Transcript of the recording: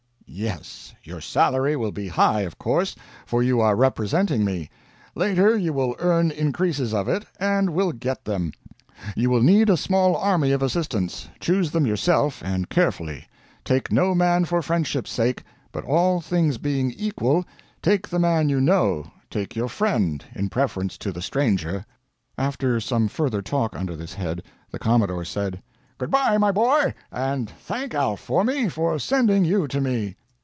"Yes. Your salary will be high of course for you are representing me. Later you will earn increases of it, and will get them. You will need a small army of assistants; choose them yourself and carefully. Take no man for friendship's sake; but, all things being equal, take the man you know, take your friend, in preference to the stranger." After some further talk under this head, the Commodore said: "Good bye, my boy, and thank Alf for me, for sending you to me."